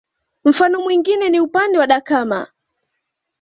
Mfano mwingine ni upande wa Dakama